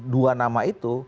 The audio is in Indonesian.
dua nama itu